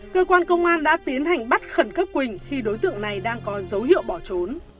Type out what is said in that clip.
cơ quan công an đã tiến hành bắt khẩn cấp quỳnh khi đối tượng này đang có dấu hiệu bỏ trốn